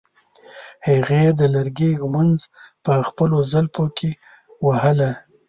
هغې د لرګي ږمنځ په خپلو زلفو کې وهله.